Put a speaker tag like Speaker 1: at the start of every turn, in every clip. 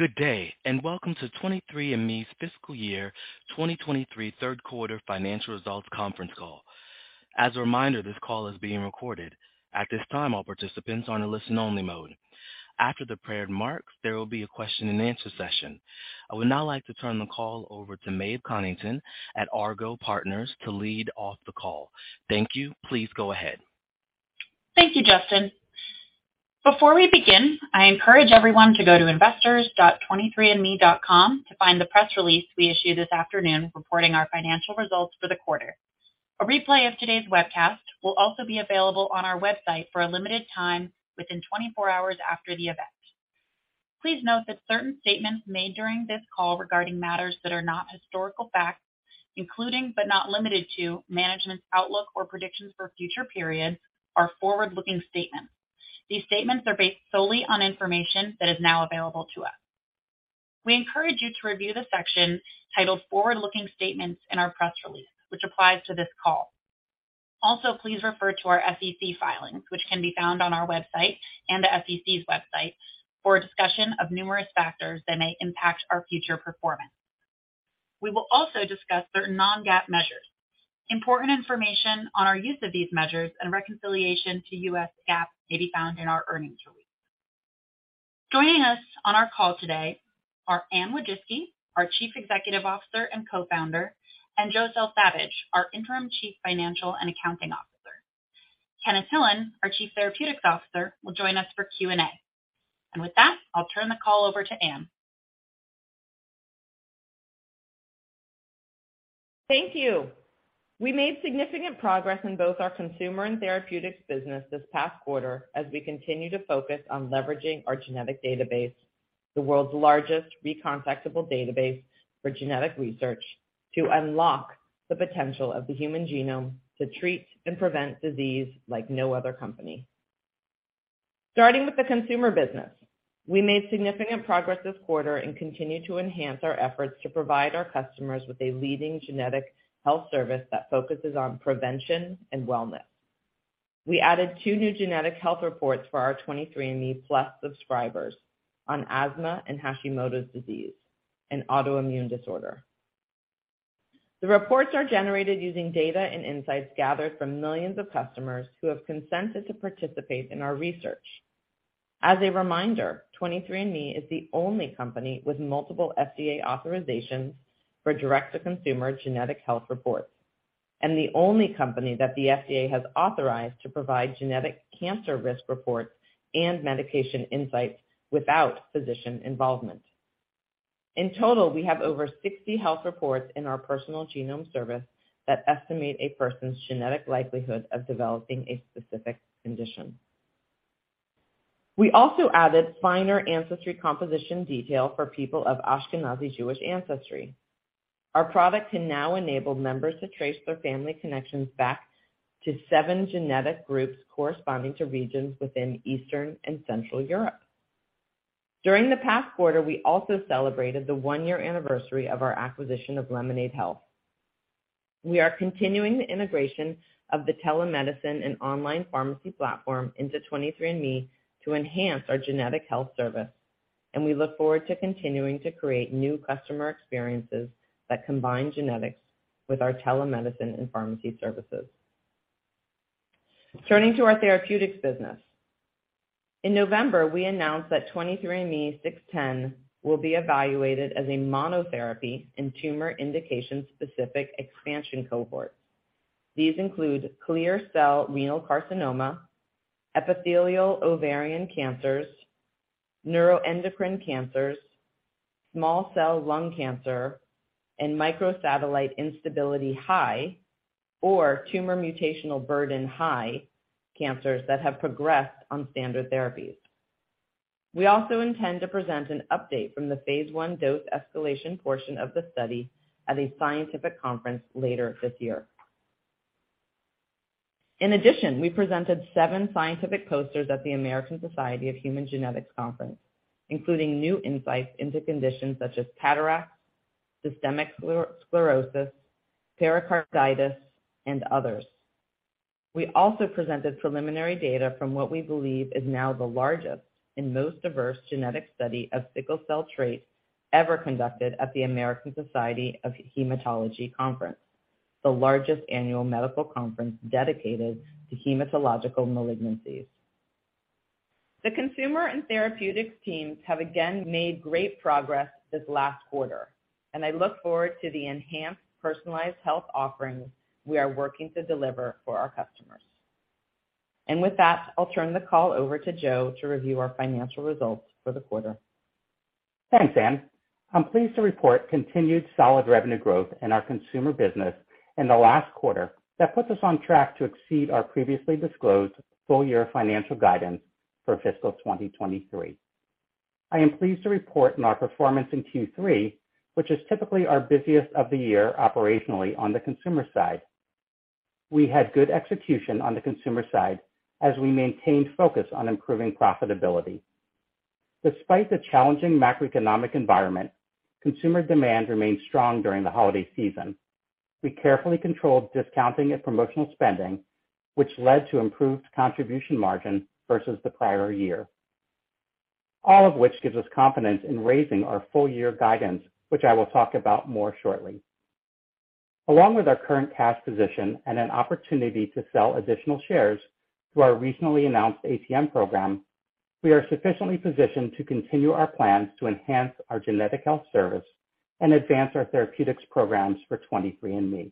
Speaker 1: Good day, welcome to 23andMe's fiscal year 2023 third quarter financial results conference call. As a reminder, this call is being recorded. At this time, all participants are in a listen only mode. After the prepared remarks, there will be a question and answer session. I would now like to turn the call over to Maeve Conneighton at Argot Partners to lead off the call. Thank you. Please go ahead.
Speaker 2: Thank you, Justin. Before we begin, I encourage everyone to go to investors.23andme.com to find the press release we issued this afternoon reporting our financial results for the quarter. A replay of today's webcast will also be available on our website for a limited time within 24 hours after the event. Please note that certain statements made during this call regarding matters that are not historical facts, including, but not limited to management's outlook or predictions for future periods, are forward-looking statements. These statements are based solely on information that is now available to us. We encourage you to review the section titled Forward-Looking Statements in our press release, which applies to this call. Please refer to our SEC filings, which can be found on our website and the SEC's website for a discussion of numerous factors that may impact our future performance. We will also discuss certain non-GAAP measures. Important information on our use of these measures and reconciliation to US GAAP may be found in our earnings release. Joining us on our call today are Anne Wojcicki, our Chief Executive Officer and Co-founder, and Joe Selsavage, our interim Chief Financial and Accounting Officer. Kenneth Hillan, our Chief Therapeutics Officer, will join us for Q&A. With that, I'll turn the call over to Anne.
Speaker 3: Thank you. We made significant progress in both our consumer and therapeutics business this past quarter as we continue to focus on leveraging our genetic database, the world's largest recontactable database for genetic research, to unlock the potential of the human genome to treat and prevent disease like no other company. Starting with the consumer business, we made significant progress this quarter and continue to enhance our efforts to provide our customers with a leading genetic health service that focuses on prevention and wellness. We added two new genetic health reports for our 23andMe+ subscribers on asthma and Hashimoto's disease, an autoimmune disorder. The reports are generated using data and insights gathered from millions of customers who have consented to participate in our research. As a reminder, 23andMe is the only company with multiple FDA authorizations for direct-to-consumer genetic health reports, and the only company that the FDA has authorized to provide genetic cancer risk reports and medication insights without physician involvement. In total, we have over 60 health reports in our Personal Genome Service that estimate a person's genetic likelihood of developing a specific condition. We also added finer ancestry composition detail for people of Ashkenazi Jewish ancestry. Our product can now enable members to trace their family connections back to 7 genetic groups corresponding to regions within Eastern and Central Europe. During the past quarter, we also celebrated the 1-year anniversary of our acquisition of Lemonaid Health. We are continuing the integration of the telemedicine and online pharmacy platform into 23andMe to enhance our genetic health service. We look forward to continuing to create new customer experiences that combine genetics with our telemedicine and pharmacy services. Turning to our therapeutics business. In November, we announced that 23ME-00610 will be evaluated as a monotherapy in tumor indication-specific expansion cohorts. These include clear cell renal carcinoma, epithelial ovarian cancers, neuroendocrine cancers, small cell lung cancer, and microsatellite instability high or tumor mutational burden high cancers that have progressed on standard therapies. We also intend to present an update from the phase I dose escalation portion of the study at a scientific conference later this year. In addition, we presented seven scientific posters at the American Society of Human Genetics Conference, including new insights into conditions such as cataracts, systemic sclerosis, pericarditis, and others. We also presented preliminary data from what we believe is now the largest and most diverse genetic study of sickle cell trait ever conducted at the American Society of Hematology Conference, the largest annual medical conference dedicated to hematological malignancies. The consumer and therapeutics teams have again made great progress this last quarter, and I look forward to the enhanced personalized health offerings we are working to deliver for our customers. With that, I'll turn the call over to Joe to review our financial results for the quarter.
Speaker 4: Thanks, Anne. I'm pleased to report continued solid revenue growth in our consumer business in the last quarter that puts us on track to exceed our previously disclosed full-year financial guidance for fiscal 2023. I am pleased to report on our performance in Q3, which is typically our busiest of the year operationally on the consumer side. We had good execution on the consumer side as we maintained focus on improving profitability. Despite the challenging macroeconomic environment, consumer demand remained strong during the holiday season. We carefully controlled discounting and promotional spending, which led to improved contribution margin versus the prior year. All of which gives us confidence in raising our full-year guidance, which I will talk about more shortly. Along with our current cash position and an opportunity to sell additional shares through our recently announced ATM program, we are sufficiently positioned to continue our plans to enhance our genetic health service and advance our therapeutics programs for 23andMe.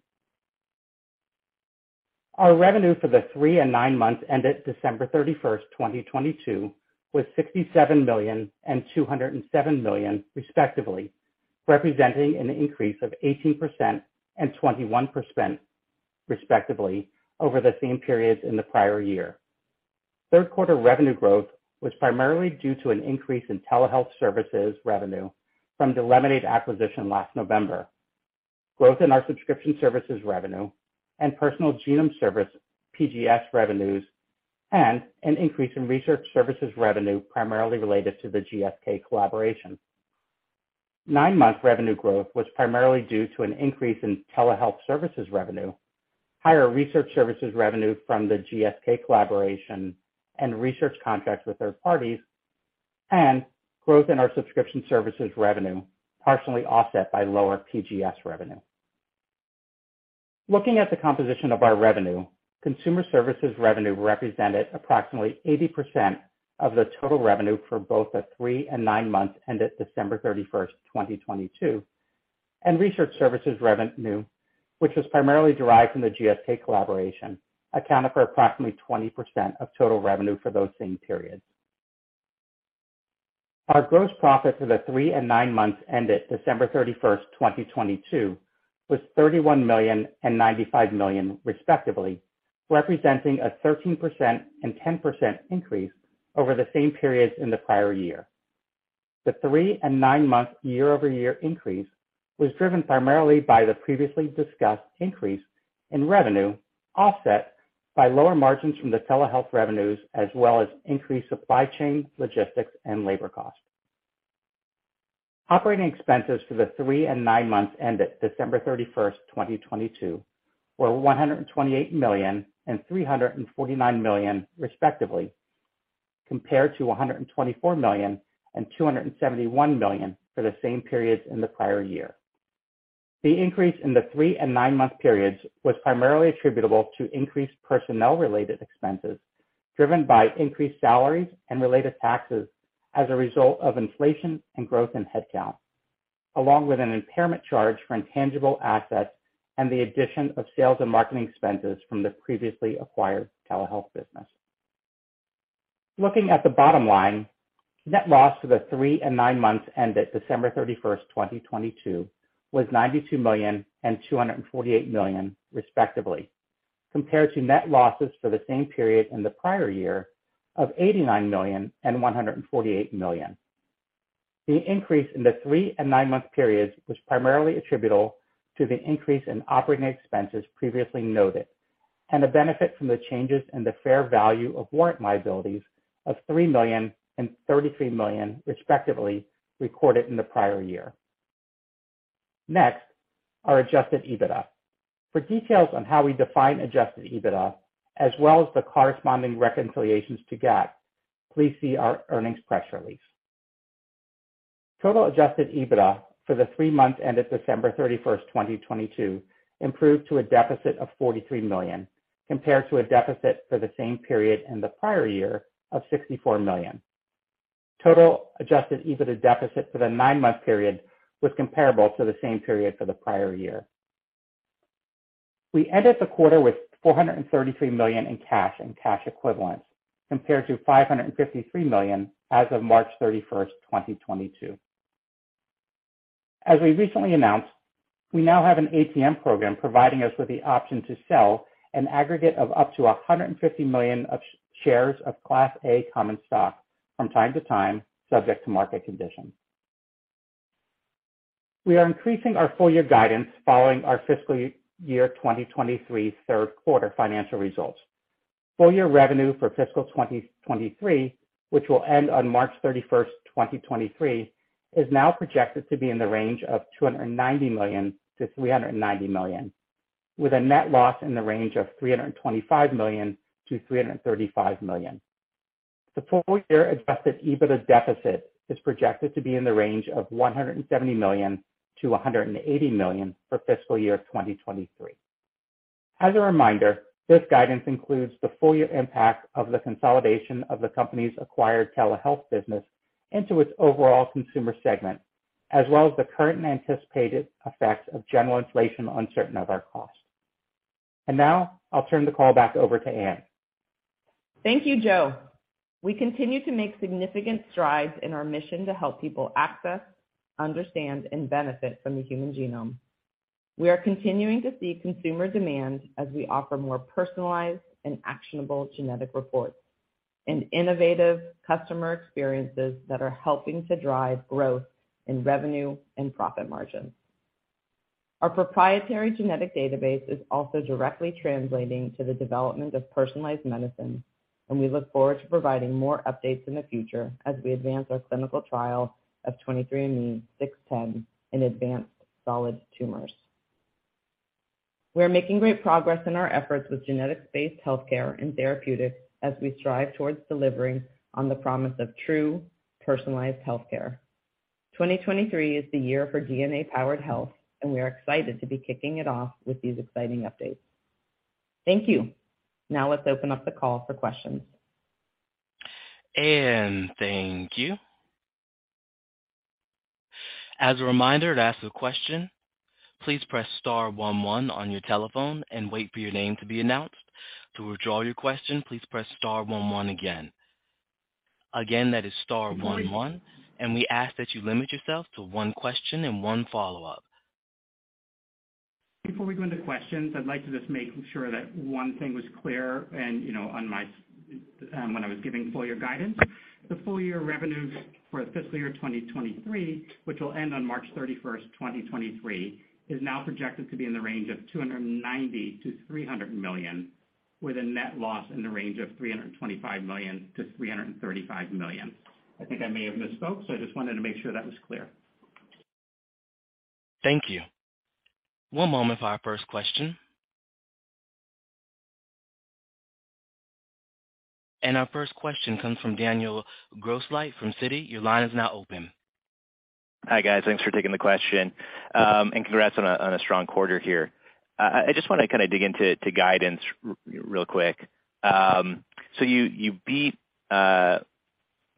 Speaker 4: Our revenue for the 3 and 9 months ended December 31, 2022, was $67 million and $207 million respectively, representing an increase of 18% and 21% respectively over the same periods in the prior year. Third quarter revenue growth was primarily due to an increase in telehealth services revenue from the Lemonaid acquisition last November. Growth in our subscription services revenue and Personal Genome Service, PGS revenues, and an increase in research services revenue primarily related to the GSK collaboration. Nine-month revenue growth was primarily due to an increase in telehealth services revenue, higher research services revenue from the GSK collaboration and research contracts with third parties, and growth in our subscription services revenue, partially offset by lower PGS revenue. Looking at the composition of our revenue, consumer services revenue represented approximately 80% of the total revenue for both the three and nine months ended December 31st, 2022, and research services revenue, which was primarily derived from the GSK collaboration, accounted for approximately 20% of total revenue for those same periods. Our gross profit for the three and nine months ended December 31st, 2022 was $31 million and $95 million respectively, representing a 13% and 10% increase over the same periods in the prior year. The 3 and 9-month year-over-year increase was driven primarily by the previously discussed increase in revenue, offset by lower margins from the telehealth revenues as well as increased supply chain, logistics, and labor costs. Operating expenses for the 3 and 9 months ended December 31, 2022, were $128 million and $349 million respectively, compared to $124 million and $271 million for the same periods in the prior year. The increase in the 3 and 9-month periods was primarily attributable to increased personnel-related expenses driven by increased salaries and related taxes as a result of inflation and growth in headcount, along with an impairment charge for intangible assets and the addition of sales and marketing expenses from the previously acquired telehealth business. Looking at the bottom line, net loss for the 3 and 9 months ended December 31, 2022 was $92 million and $248 million respectively, compared to net losses for the same period in the prior year of $89 million and $148 million. The increase in the 3 and 9-month periods was primarily attributable to the increase in operating expenses previously noted, and the benefit from the changes in the fair value of warrant liabilities of $3 million and $33 million respectively recorded in the prior year. Next, our Adjusted EBITDA. For details on how we define Adjusted EBITDA as well as the corresponding reconciliations to GAAP, please see our earnings press release. Total Adjusted EBITDA for the 3 months ended December 31st, 2022 improved to a deficit of $43 million, compared to a deficit for the same period in the prior year of $64 million. Total Adjusted EBITDA deficit for the 9-month period was comparable to the same period for the prior year. We ended the quarter with $433 million in cash and cash equivalents, compared to $553 million as of March 31st, 2022. As we recently announced, we now have an ATM program providing us with the option to sell an aggregate of up to $150 million of shares of Class A common stock from time to time, subject to market conditions. We are increasing our full year guidance following our fiscal year 2023 third quarter financial results. Full year revenue for fiscal 2023, which will end on March 31st, 2023, is now projected to be in the range of $290 million-$390 million, with a net loss in the range of $325 million-$335 million. The full year Adjusted EBITDA deficit is projected to be in the range of $170 million-$180 million for fiscal year 2023. As a reminder, this guidance includes the full year impact of the consolidation of the company's acquired telehealth business into its overall consumer segment, as well as the current anticipated effects of general inflation uncertain of our cost. Now I'll turn the call back over to Anne.
Speaker 3: Thank you, Joe. We continue to make significant strides in our mission to help people access, understand, and benefit from the human genome. We are continuing to see consumer demand as we offer more personalized and actionable genetic reports and innovative customer experiences that are helping to drive growth in revenue and profit margins. Our proprietary genetic database is also directly translating to the development of personalized medicines. We look forward to providing more updates in the future as we advance our clinical trial of 23ME-00610 in advanced solid tumors. We are making great progress in our efforts with genetic-based healthcare and therapeutics as we strive towards delivering on the promise of true personalized healthcare. 2023 is the year for DNA-powered health. We are excited to be kicking it off with these exciting updates. Thank you. Now let's open up the call for questions.
Speaker 1: Thank you. As a reminder, to ask a question, please press star one one on your telephone and wait for your name to be announced. To withdraw your question, please press star one one again. Again, that is star one one. We ask that you limit yourself to one question and one follow-up.
Speaker 4: Before we go into questions, I'd like to just make sure that one thing was clear and, you know, on my, when I was giving full year guidance. The full year revenues for fiscal year 2023, which will end on March 31st, 2023, is now projected to be in the range of $290 million-$300 million, with a net loss in the range of $325 million-$335 million. I think I may have misspoke, so I just wanted to make sure that was clear.
Speaker 1: Thank you. One moment for our first question. Our first question comes from Daniel Grosslight from Citi. Your line is now open.
Speaker 5: Hi, guys. Thanks for taking the question. Congrats on a strong quarter here. I just wanna kinda dig into guidance real quick. You, you beat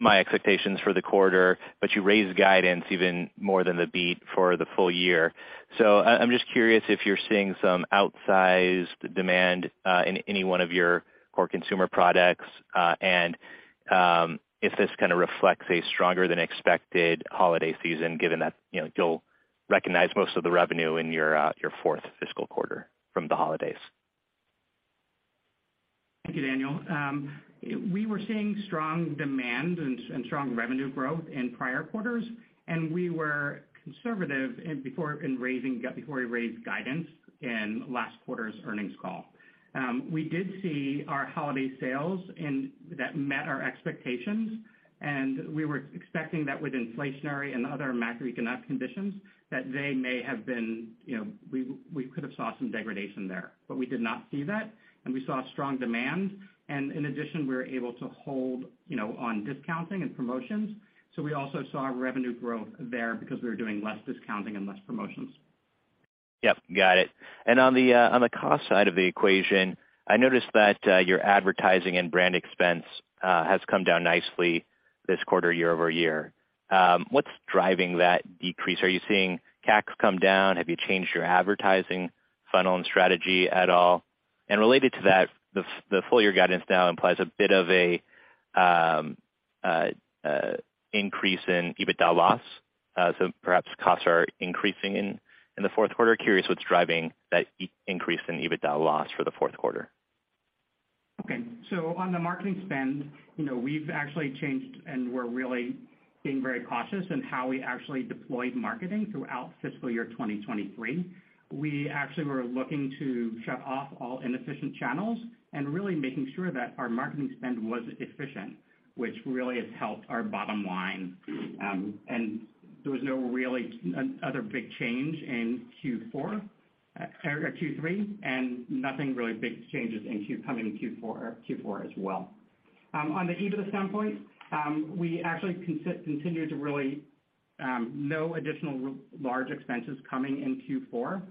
Speaker 5: my expectations for the quarter, but you raised guidance even more than the beat for the full year. I'm just curious if you're seeing some outsized demand in any one of your core consumer products, and if this kinda reflects a stronger than expected holiday season, given that, you know, you'll recognize most of the revenue in your fourth fiscal quarter from the holidays.
Speaker 4: Thank you, Daniel. We were seeing strong demand and strong revenue growth in prior quarters. We were conservative before we raised guidance in last quarter's earnings call. We did see our holiday sales and that met our expectations. We were expecting that with inflationary and other macroeconomic conditions, that they may have been, you know, we could have saw some degradation there. We did not see that, and we saw strong demand. In addition, we were able to hold, you know, on discounting and promotions. We also saw revenue growth there because we were doing less discounting and less promotions.
Speaker 5: Yep, got it. On the cost side of the equation, I noticed that your advertising and brand expense has come down nicely this quarter year-over-year. What's driving that decrease? Are you seeing CACs come down? Have you changed your advertising funnel and strategy at all? Related to that, the full year guidance now implies a bit of a increase in EBITDA loss. Perhaps costs are increasing in the fourth quarter. Curious what's driving that increase in EBITDA loss for the fourth quarter.
Speaker 4: Okay. On the marketing spend, you know, we've actually changed and we're really being very cautious in how we actually deployed marketing throughout fiscal year 2023. We actually were looking to shut off all inefficient channels and really making sure that our marketing spend was efficient, which really has helped our bottom line. There was no really other big change in Q4, Q3, and nothing really big changes coming in Q4 as well. On the EBITDA standpoint, we actually continue to really, no additional large expenses coming in Q4.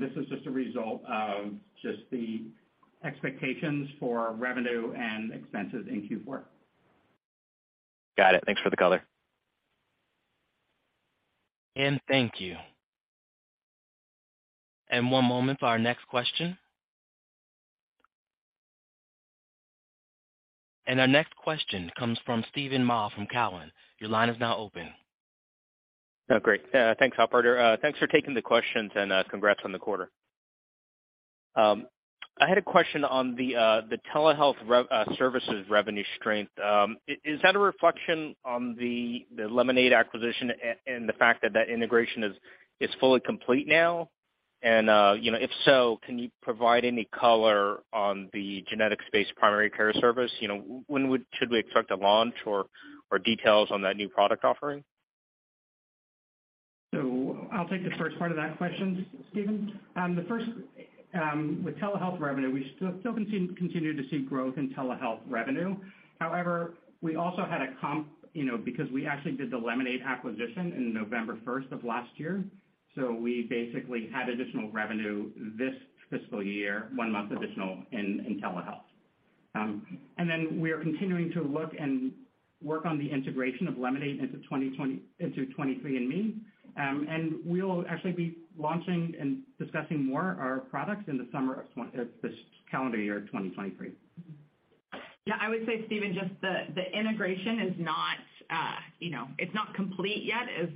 Speaker 4: This is just a result of just the expectations for revenue and expenses in Q4.
Speaker 5: Got it. Thanks for the color.
Speaker 1: Thank you. One moment for our next question. Our next question comes from Steven Mah from Cowen. Your line is now open.
Speaker 6: Great. thanks, operator. thanks for taking the questions and congrats on the quarter. I had a question on the telehealth services revenue strength. Is that a reflection on the Lemonaid Health acquisition and the fact that that integration is fully complete now? If so, can you provide any color on the genetic-based primary care service? You know, when should we expect a launch or details on that new product offering?
Speaker 4: I'll take the first part of that question, Steven Mah. The first with telehealth revenue, we still continue to see growth in telehealth revenue. However, we also had a comp, you know, because we actually did the Lemonaid Health acquisition in November 1st of last year. We basically had additional revenue this fiscal year, 1 month additional in telehealth. We are continuing to look and work on the integration of Lemonaid Health into 23andMe. We'll actually be launching and discussing more our products in the summer of this calendar year, 2023.
Speaker 3: Yeah, I would say, Steven, just the integration is not, you know, it's not complete yet, as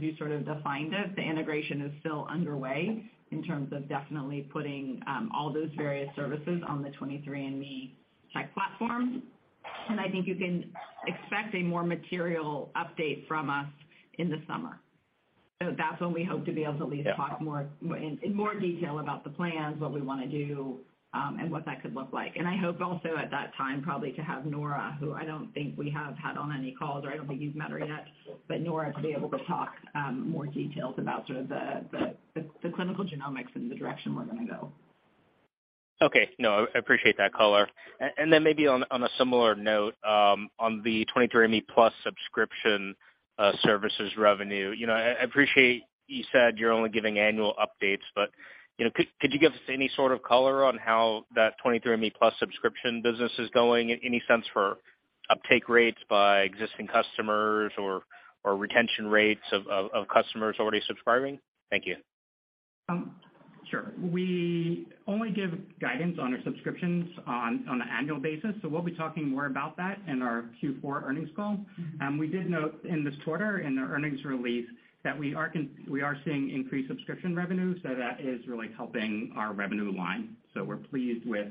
Speaker 3: you sort of defined it. The integration is still underway in terms of definitely putting all those various services on the 23andMe tech platform. I think you can expect a more material update from us in the summer. That's when we hope to be able to at least talk in more detail about the plans, what we wanna do, and what that could look like. I hope also at that time probably to have Nora, who I don't think we have had on any calls, or I don't think you've met her yet, but Nora to be able to talk more details about sort of the clinical genomics and the direction we're gonna go.
Speaker 6: Okay. No, I appreciate that color. Then maybe on a similar note, on the 23andMe+ subscription services revenue. You know, I appreciate you said you're only giving annual updates, you know, could you give us any sort of color on how that 23andMe+ subscription business is going? Any sense for uptake rates by existing customers or retention rates of customers already subscribing? Thank you.
Speaker 4: Sure. We only give guidance on our subscriptions on an annual basis, so we'll be talking more about that in our Q4 earnings call. We did note in this quarter in the earnings release that we are seeing increased subscription revenue, so that is really helping our revenue line. We're pleased with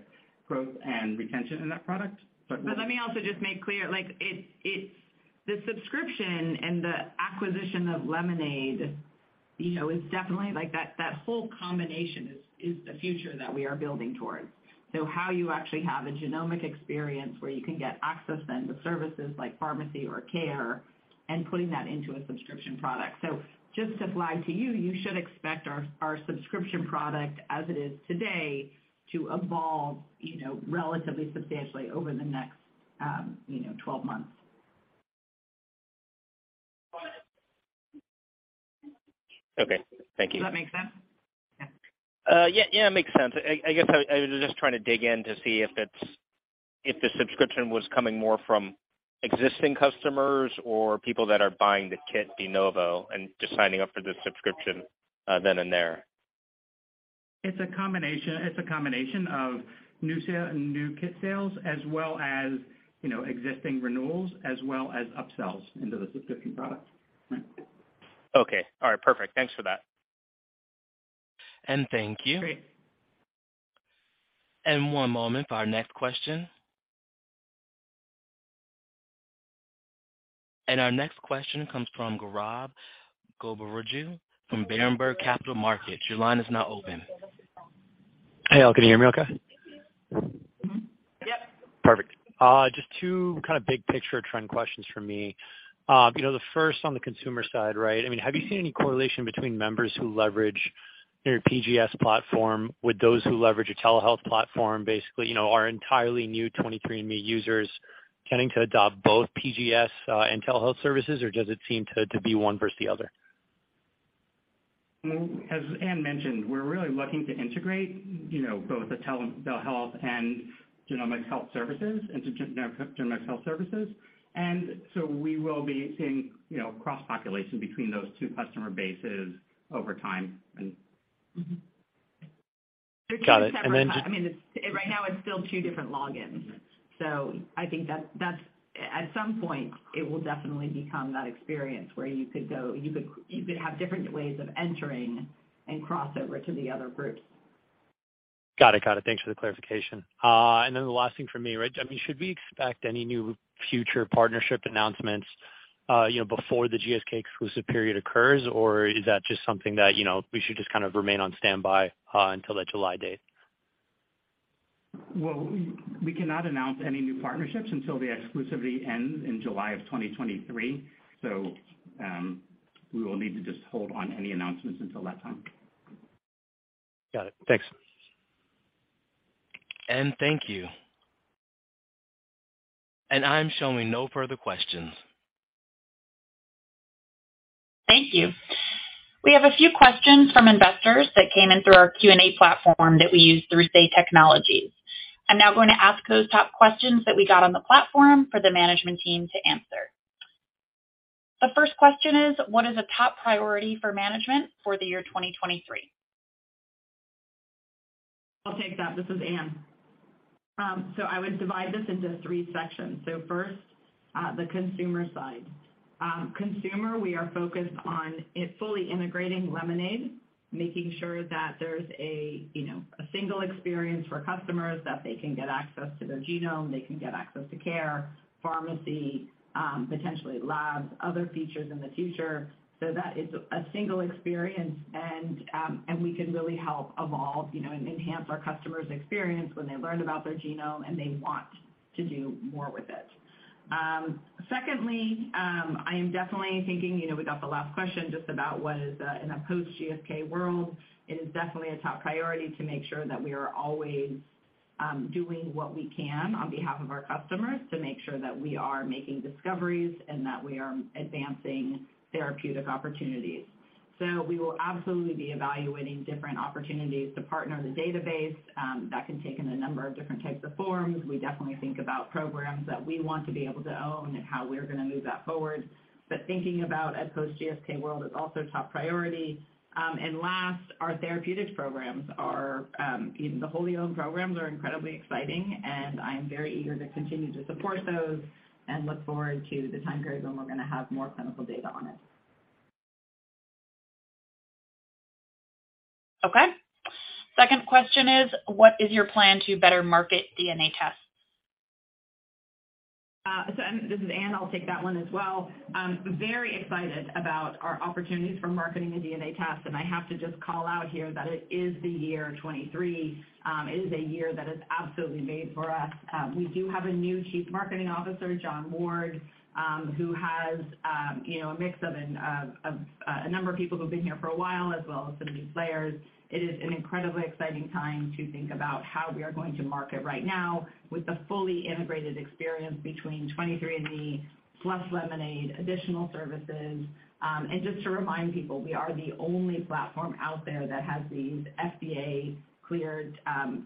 Speaker 4: growth and retention in that product.
Speaker 3: Let me also just make clear, like, the subscription and the acquisition of Lemonaid, you know, is definitely like that whole combination is the future that we are building towards. How you actually have a genomic experience where you can get access then to services like pharmacy or care and putting that into a subscription product. Just to flag to you should expect our subscription product as it is today to evolve, you know, relatively substantially over the next, you know, 12 months.
Speaker 6: Okay. Thank you.
Speaker 3: Does that make sense?
Speaker 6: Yeah. Yeah, it makes sense. I guess I was just trying to dig in to see if the subscription was coming more from existing customers or people that are buying the kit de novo and just signing up for the subscription, then and there.
Speaker 4: It's a combination of new kit sales as well as, you know, existing renewals, as well as upsells into the subscription product.
Speaker 6: Okay. All right. Perfect. Thanks for that.
Speaker 1: Thank you.
Speaker 3: Great.
Speaker 1: One moment for our next question. Our next question comes from Gaurav Goparaju from Berenberg Capital Markets. Your line is now open.
Speaker 7: Hey, all. Can you hear me okay?
Speaker 3: Mm-hmm. Yep.
Speaker 7: Perfect. Just two kind of big picture trend questions from me. You know, the first on the consumer side, right? I mean, have you seen any correlation between members who leverage your PGS platform with those who leverage a telehealth platform, basically, you know, are entirely new 23andMe users tending to adopt both PGS and telehealth services, or does it seem to be one versus the other?
Speaker 4: As Anne mentioned, we're really looking to integrate, you know, both the health and genomics health services into genomics health services. We will be seeing, you know, cross-population between those two customer bases over time and...
Speaker 3: Mm-hmm.
Speaker 7: Got it.
Speaker 3: I mean, it's right now it's still two different logins. I think that's at some point, it will definitely become that experience where you could have different ways of entering and cross over to the other group.
Speaker 7: Got it. Got it. Thanks for the clarification. The last thing for me, right? I mean, should we expect any new future partnership announcements, you know, before the GSK exclusive period occurs? Is that just something that, you know, we should just kind of remain on standby, until that July date?
Speaker 4: We cannot announce any new partnerships until the exclusivity ends in July of 2023. We will need to just hold on any announcements until that time.
Speaker 7: Got it. Thanks.
Speaker 1: Thank you. I'm showing no further questions.
Speaker 2: Thank you. We have a few questions from investors that came in through our Q&A platform that we use through Say Technologies. I'm now going to ask those top questions that we got on the platform for the management team to answer. The first question is: What is a top priority for management for the year 2023?
Speaker 3: I'll take that. This is Anne. I would divide this into three sections. First, the consumer side. Consumer, we are focused on it fully integrating Lemonaid, making sure that there's a, you know, a single experience for customers, that they can get access to their genome, they can get access to care, pharmacy, potentially labs, other features in the future. That it's a single experience and we can really help evolve, you know, and enhance our customers' experience when they learn about their genome and they want to do more with it. Secondly, I am definitely thinking, you know, we got the last question just about what is in a post-GSK world, it is definitely a top priority to make sure that we are always doing what we can on behalf of our customers to make sure that we are making discoveries and that we are advancing therapeutic opportunities. We will absolutely be evaluating different opportunities to partner the database that can take in a number of different types of forms. We definitely think about programs that we want to be able to own and how we're gonna move that forward. Thinking about a post-GSK world is also top priority. Last, our therapeutics programs are, you know, the wholly owned programs are incredibly exciting, and I'm very eager to continue to support those and look forward to the time period when we're gonna have more clinical data on it.
Speaker 2: Okay. Second question is: What is your plan to better market DNA tests?
Speaker 3: This is Anne, I'll take that one as well. Very excited about our opportunities for marketing the DNA test. I have to just call out here that it is the year 23. It is a year that is absolutely made for us. We do have a new Chief Marketing Officer, Jon Ward, who has, you know, a mix of a number of people who've been here for a while, as well as some new players. It is an incredibly exciting time to think about how we are going to market right now with the fully integrated experience between 23andMe, plus Lemonade, additional services. Just to remind people, we are the only platform out there that has these FDA-cleared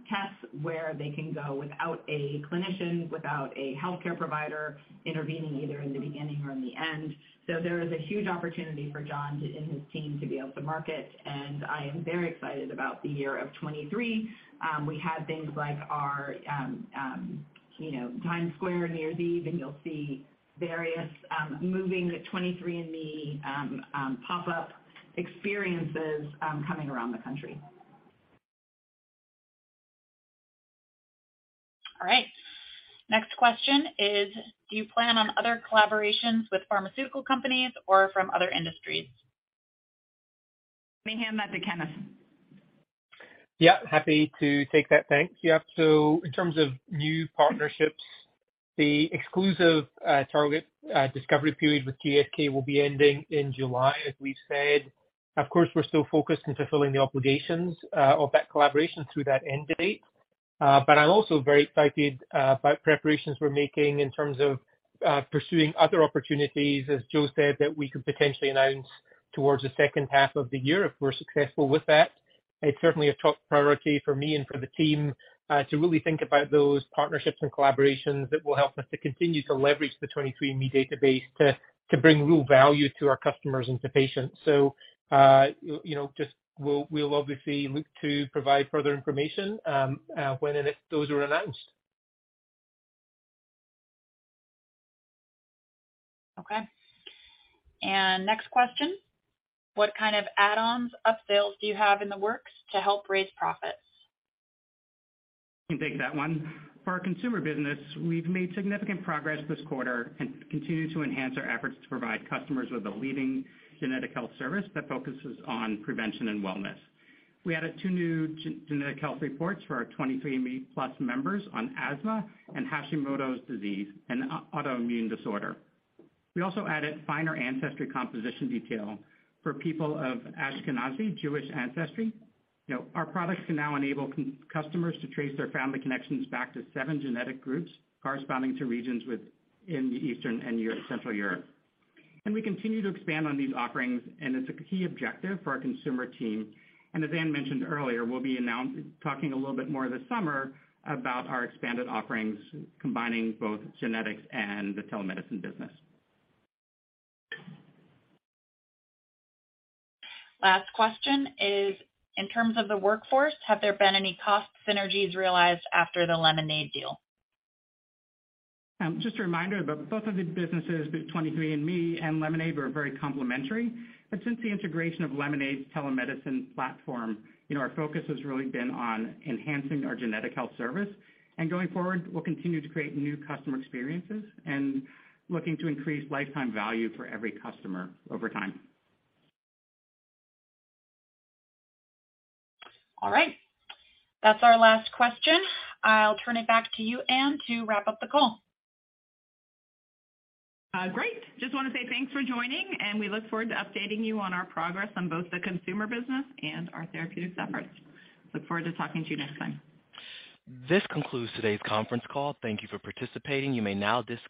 Speaker 3: tests where they can go without a clinician, without a healthcare provider intervening either in the beginning or in the end. There is a huge opportunity for Jon to, and his team to be able to market, and I am very excited about the year of 23. We have things like our, you know, Times Square New Year's Eve, and you'll see various moving 23andMe pop-up experiences coming around the country.
Speaker 2: All right. Next question is, do you plan on other collaborations with pharmaceutical companies or from other industries?
Speaker 3: Let me hand that to Kenneth.
Speaker 8: Happy to take that. Thanks. In terms of new partnerships, the exclusive target discovery period with GSK will be ending in July, as we said. Of course, we're still focused in fulfilling the obligations of that collaboration through that end date. I'm also very excited about preparations we're making in terms of pursuing other opportunities, as Joe said, that we could potentially announce towards the second half of the year if we're successful with that. It's certainly a top priority for me and for the team to really think about those partnerships and collaborations that will help us to continue to leverage the 23andMe database to bring real value to our customers and to patients. You know, just we'll obviously look to provide further information when and if those are announced.
Speaker 2: Okay. Next question. What kind of add-ons, upsells do you have in the works to help raise profits?
Speaker 4: Can take that one. For our consumer business, we've made significant progress this quarter and continue to enhance our efforts to provide customers with a leading genetic health service that focuses on prevention and wellness. We added 2 new genetic health reports for our 23andMe+ members on asthma and Hashimoto's disease, an autoimmune disorder. We also added finer ancestry composition detail for people of Ashkenazi Jewish ancestry. You know, our products can now enable customers to trace their family connections back to 7 genetic groups corresponding to regions in Eastern and Central Europe. We continue to expand on these offerings, and it's a key objective for our consumer team. As Anne mentioned earlier, we'll be talking a little bit more this summer about our expanded offerings combining both genetics and the telemedicine business.
Speaker 2: Last question is, in terms of the workforce, have there been any cost synergies realized after the Lemonaid deal?
Speaker 4: Just a reminder that both of the businesses, both 23andMe and Lemonade, were very complementary. Since the integration of Lemonade's telemedicine platform, you know, our focus has really been on enhancing our genetic health service. Going forward, we'll continue to create new customer experiences and looking to increase lifetime value for every customer over time.
Speaker 2: All right. That's our last question. I'll turn it back to you, Anne, to wrap up the call.
Speaker 3: Great. Just wanna say thanks for joining. We look forward to updating you on our progress on both the consumer business and our therapeutic efforts. Look forward to talking to you next time.
Speaker 1: This concludes today's conference call. Thank you for participating. You may now disconnect.